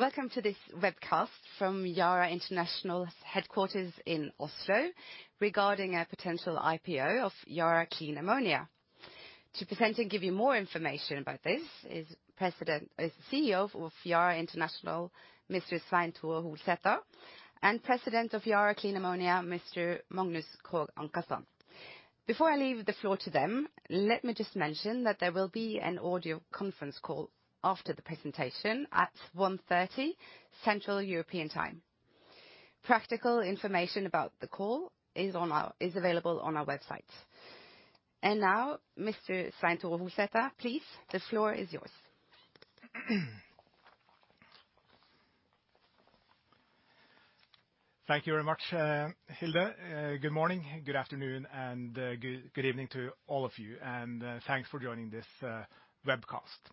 Welcome to this webcast from Yara International's headquarters in Oslo regarding a potential IPO of Yara Clean Ammonia. To present and give you more information about this is CEO of Yara International, Mr. Svein Tore Holsether, and the President of Yara Clean Ammonia, Mr. Magnus Krogh Ankarstrand. Before I leave the floor to them, let me just mention that there will be an audio conference call after the presentation at 1:30 Central European time. Practical information about the call is available on our website. Now, Mr. Svein Tore Holsether, please, the floor is yours. Thank you very much, Hilde. Good morning, good afternoon, and good evening to all of you, and thanks for joining this webcast.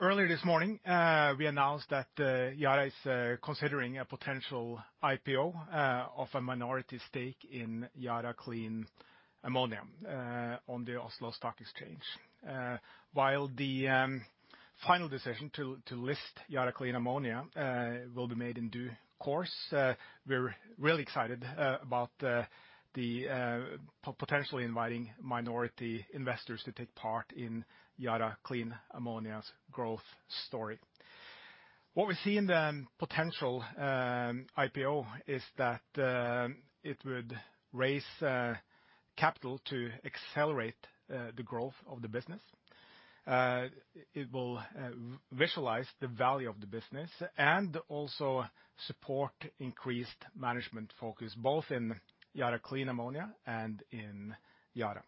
Earlier this morning, we announced that Yara is considering a potential IPO of a minority stake in Yara Clean Ammonia on the Oslo Stock Exchange. While the final decision to list Yara Clean Ammonia will be made in due course, we're really excited about the potentially inviting minority investors to take part in Yara Clean Ammonia's growth story. What we see in the potential IPO is that it would raise capital to accelerate the growth of the business. It will visualize the value of the business and also support increased management focus, both in Yara Clean Ammonia and in Yara.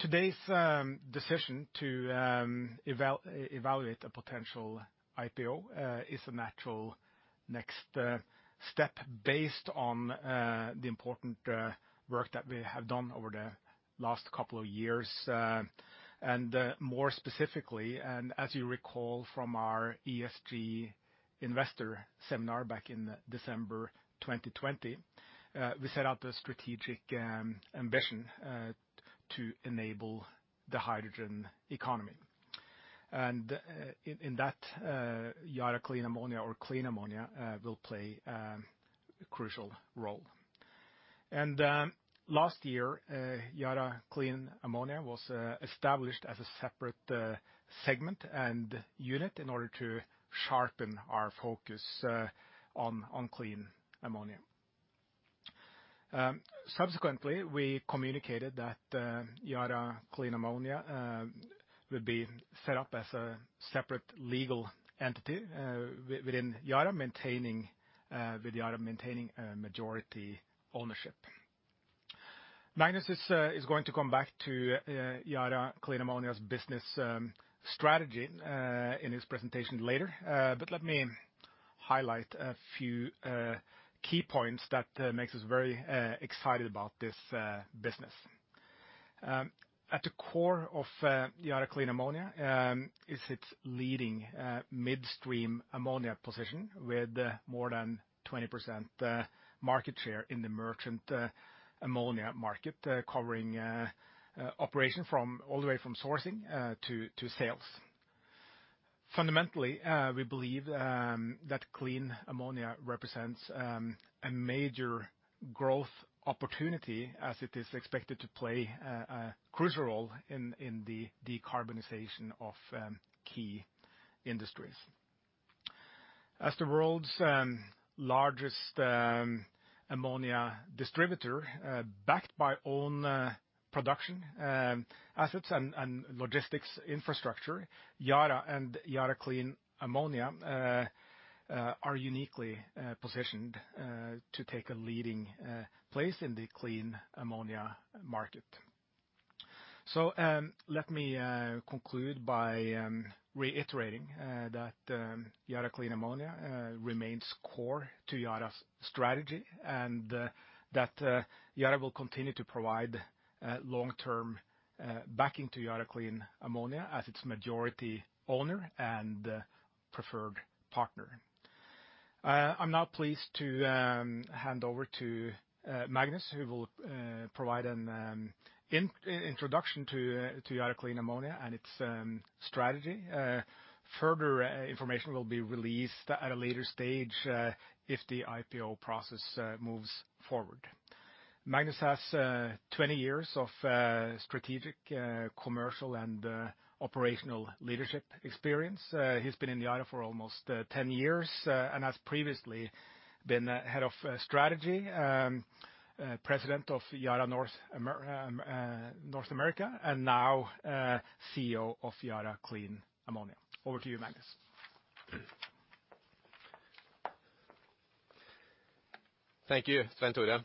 Today's decision to evaluate a potential IPO is a natural next step based on the important work that we have done over the last couple of years. More specifically, as you recall from our ESG investor seminar back in December 2020, we set out a strategic ambition to enable the hydrogen economy. In that, Yara Clean Ammonia, or Clean Ammonia, will play a crucial role. Last year, Yara Clean Ammonia was established as a separate segment and unit in order to sharpen our focus on clean ammonia. Subsequently, we communicated that Yara Clean Ammonia would be set up as a separate legal entity within Yara, with Yara maintaining a majority ownership. Magnus is going to come back to Yara Clean Ammonia's business strategy in his presentation later. Let me highlight a few key points that make us very excited about this business. At the core of Yara Clean Ammonia is its leading midstream ammonia position with more than 20% market share in the merchant ammonia market, covering operation from all the way from sourcing to sales. Fundamentally, we believe that clean ammonia represents a major growth opportunity as it is expected to play a crucial role in the decarbonization of key industries. As the world's largest ammonia distributor, backed by own production assets and logistics infrastructure, Yara and Yara Clean Ammonia are uniquely positioned to take a leading place in the clean ammonia market. Let me conclude by reiterating that Yara Clean Ammonia remains core to Yara's strategy and that Yara will continue to provide long-term backing to Yara Clean Ammonia as its majority owner and preferred partner. I'm now pleased to hand over to Magnus, who will provide an introduction to Yara Clean Ammonia and its strategy. Further information will be released at a later stage if the IPO process moves forward. Magnus has 20 years of strategic, commercial, and operational leadership experience. He's been in Yara for almost 10 years and has previously been head of strategy, president of Yara North America, and now CEO of Yara Clean Ammonia. Over to you, Magnus. Thank you, Svein Tore.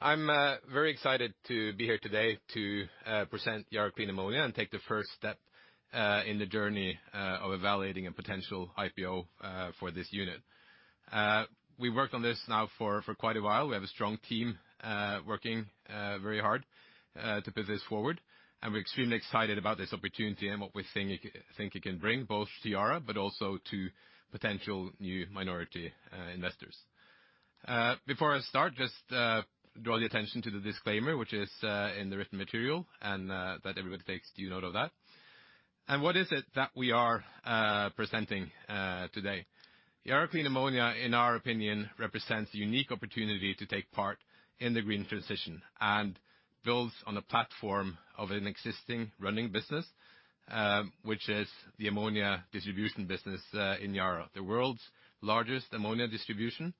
I'm very excited to be here today to present Yara Clean Ammonia and take the first step in the journey of evaluating a potential IPO for this unit. We worked on this now for quite a while. We have a strong team working very hard to put this forward, and we're extremely excited about this opportunity and what we think it can bring both to Yara but also to potential new minority investors. Before I start, just draw the attention to the disclaimer, which is in the written material, and that everybody takes due note of that. What is it that we are presenting today? Yara Clean Ammonia, in our opinion, represents a unique opportunity to take part in the green transition and builds on a platform of an existing running business, which is the ammonia distribution business in Yara, the world's largest ammonia distribution,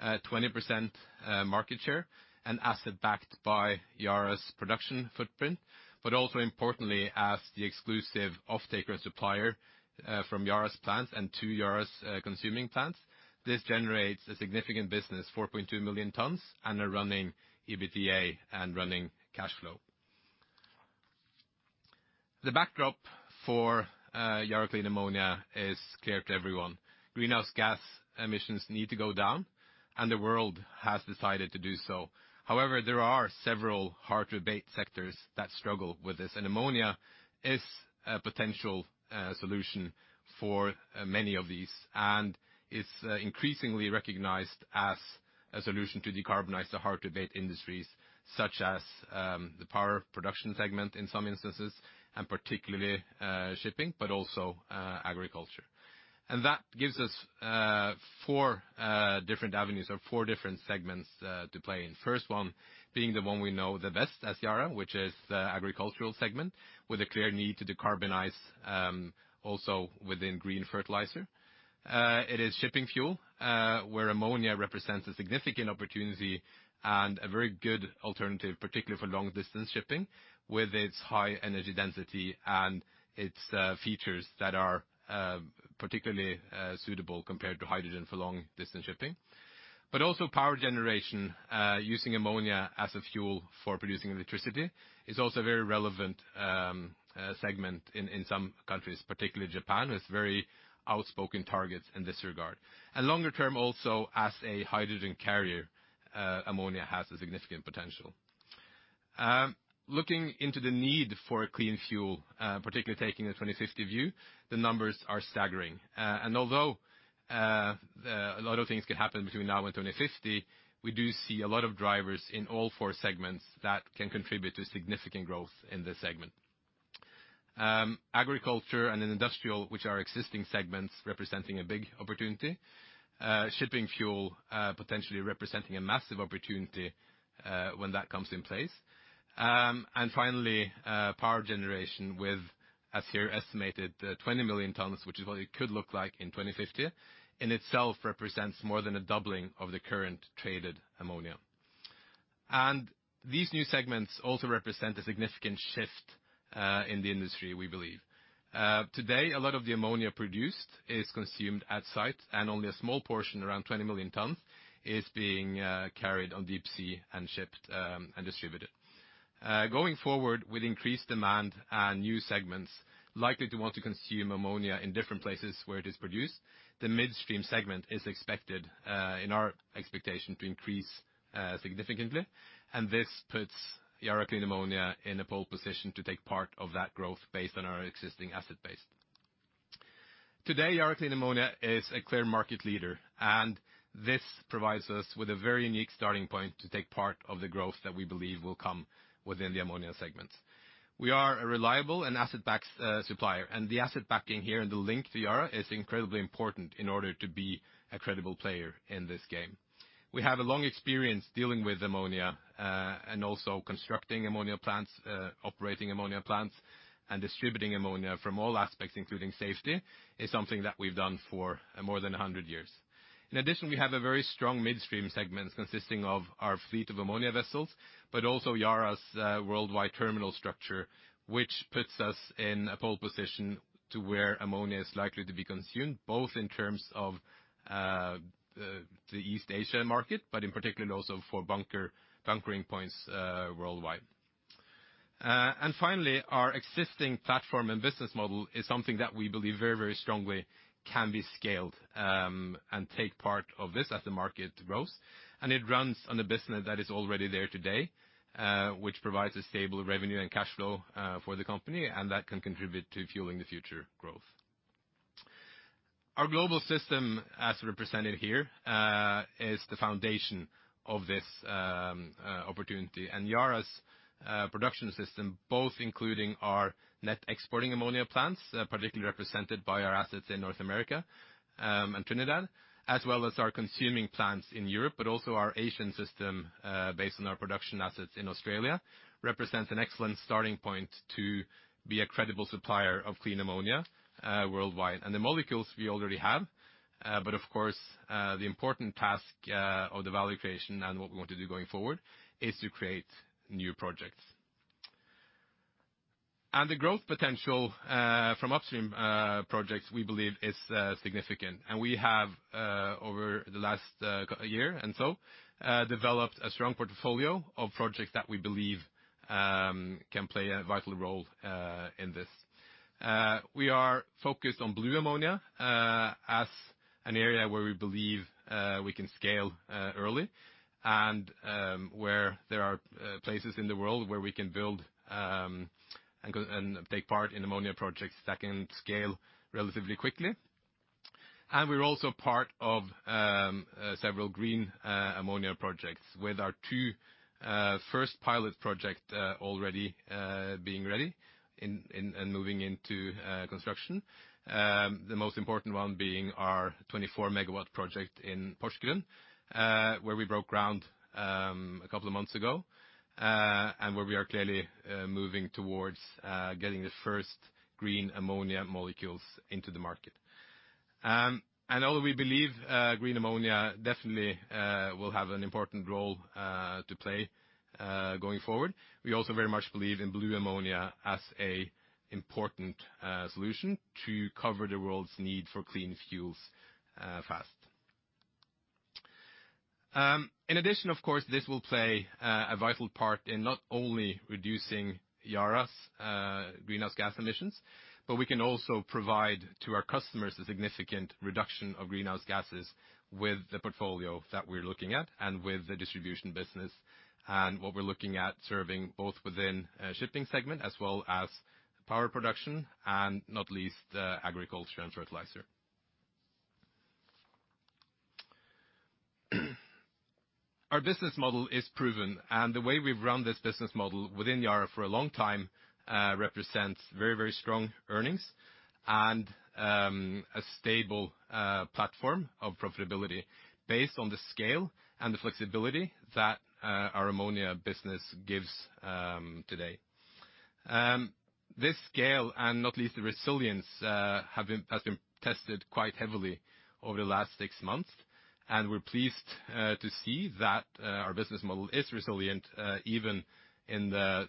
20% market share and asset backed by Yara's production footprint. Also importantly, as the exclusive offtaker supplier from Yara's plants and to Yara's consuming plants. This generates a significant business, 4.2 million tons, and a running EBITDA and running cash flow. The backdrop for Yara Clean Ammonia is clear to everyone. Greenhouse gas emissions need to go down, and the world has decided to do so. However, there are several hard-to-abate sectors that struggle with this, and ammonia is a potential solution for many of these, and it's increasingly recognized as a solution to decarbonize the hard-to-abate industries, such as the power production segment in some instances, and particularly shipping, but also agriculture. That gives us four different avenues or four different segments to play in. First one being the one we know the best as Yara, which is the agricultural segment, with a clear need to decarbonize, also within green fertilizer. It is shipping fuel where ammonia represents a significant opportunity and a very good alternative, particularly for long-distance shipping with its high energy density and its features that are particularly suitable compared to hydrogen for long-distance shipping. But also, power generation using ammonia as a fuel for producing electricity is also a very relevant segment in some countries, particularly Japan, which has very outspoken targets in this regard. Longer-term also as a hydrogen carrier, ammonia has a significant potential. Looking into the need for clean fuel, particularly taking a 2050 view, the numbers are staggering. Although a lot of things can happen between now and 2050, we do see a lot of drivers in all four segments that can contribute to significant growth in this segment. Agriculture and industrial, which are existing segments representing a big opportunity, shipping fuel, potentially representing a massive opportunity, when that comes in place. Finally, power generation with, as here, estimated 20 million tons, which is what it could look like in 2050, in itself represents more than a doubling of the current traded ammonia. These new segments also represent a significant shift in the industry, we believe. Today, a lot of the ammonia produced is consumed at the site and only a small portion, around 20 million tons, is being carried on deep sea and shipped, and distributed. Going forward with increased demand and new segments likely to want to consume ammonia in different places where it is produced, the midstream segment is expected, in our expectation, to increase significantly, and this puts Yara Clean Ammonia in a pole position to take part of that growth based on our existing asset base. Today, Yara Clean Ammonia is a clear market leader, and this provides us with a very unique starting point to take part of the growth that we believe will come within the ammonia segments. We are a reliable and asset-backed supplier, and the asset backing here and the link to Yara is incredibly important in order to be a credible player in this game. We have a long experience dealing with ammonia, and also constructing ammonia plants, operating ammonia plants, and distributing ammonia from all aspects, including safety, is something that we've done for more than 100 years. In addition, we have a very strong midstream segment consisting of our fleet of ammonia vessels, but also Yara's worldwide terminal structure, which puts us in a pole position to where ammonia is likely to be consumed, both in terms of the East Asian market, but in particular also for bunker, bunkering points worldwide. Finally, our existing platform and business model is something that we believe very, very strongly can be scaled, and take part of this as the market grows. It runs on a business that is already there today, which provides a stable revenue and cash flow, for the company, and that can contribute to fueling the future growth. Our global system, as represented here, is the foundation of this, opportunity. Yara's production system, both including our net exporting ammonia plants, particularly represented by our assets in North America, and Trinidad, as well as our consuming plants in Europe, but also our Asian system, based on our production assets in Australia, represents an excellent starting point to be a credible supplier of clean ammonia, worldwide. The molecules we already have, but of course, the important task, of the value creation and what we want to do going forward, is to create new projects. The growth potential from upstream projects, we believe, is significant. We have, over the last year or so, developed a strong portfolio of projects that we believe can play a vital role in this. We are focused on blue ammonia as an area where we believe we can scale early, where there are places in the world where we can build and go and take part in ammonia projects that can scale relatively quickly. We're also part of several green ammonia projects with our two first pilot projects already being ready and moving into construction. The most important one being our 24 MW project in Porsgrunn, where we broke ground a couple of months ago, and where we are clearly moving towards getting the first green ammonia molecules into the market. Although we believe green ammonia definitely will have an important role to play going forward, we also very much believe in blue ammonia as an important solution to cover the world's need for clean fuels fast. In addition, of course, this will play a vital part in not only reducing Yara's greenhouse gas emissions, but we can also provide to our customers a significant reduction of greenhouse gases with the portfolio that we're looking at and with the distribution business and what we're looking at serving both within shipping segment as well as power production and not least agriculture and fertilizer. Our business model is proven, and the way we've run this business model within Yara for a long time represents very strong earnings and a stable platform of profitability based on the scale and the flexibility that our ammonia business gives today. This scale, and not least the resilience, has been tested quite heavily over the last six months, and we're pleased to see that our business model is resilient, even in the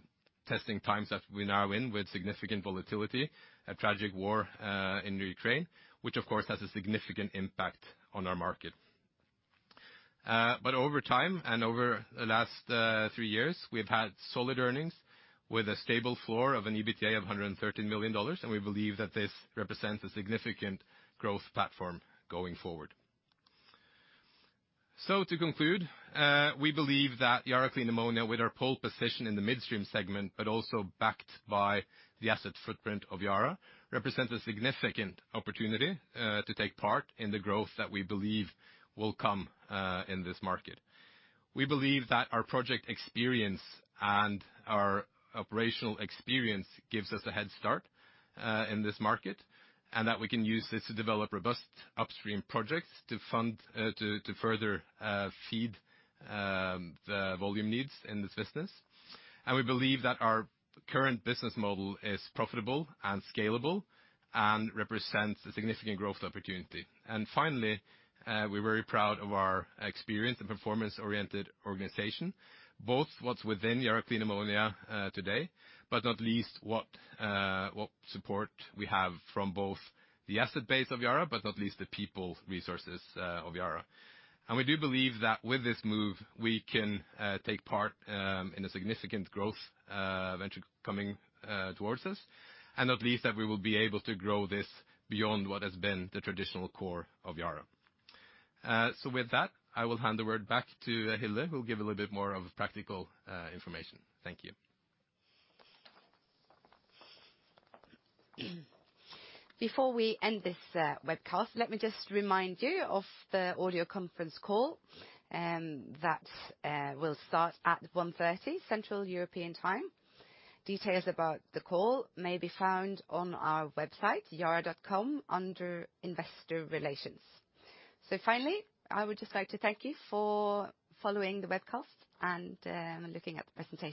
testing times that we're now in with significant volatility, a tragic war in Ukraine, which, of course, has a significant impact on our market. Over time and over the last three years, we've had solid earnings with a stable floor of an EBITDA of $113 million, and we believe that this represents a significant growth platform going forward. To conclude, we believe that Yara Clean Ammonia, with our pole position in the midstream segment, but also backed by the asset footprint of Yara, represents a significant opportunity to take part in the growth that we believe will come in this market. We believe that our project experience and our operational experience gives us a head start in this market, and that we can use this to develop robust upstream projects to further feed the volume needs in this business. We believe that our current business model is profitable and scalable and represents a significant growth opportunity. Finally, we're very proud of our experienced and performance-oriented organization, both what's within Yara Clean Ammonia today, but not least what support we have from both the asset base of Yara, but not least the people resources of Yara. We do believe that with this move, we can take part in a significant growth venture coming towards us, and at least that we will be able to grow this beyond what has been the traditional core of Yara. With that, I will hand the word back to Hilde, who'll give a little bit more of practical information. Thank you. Before we end this webcast, let me just remind you of the audio conference call that will start at 1:30 P.M. Central European Time. Details about the call may be found on our website, yara.com, under Investor Relations. Finally, I would just like to thank you for following the webcast and looking at the presentation.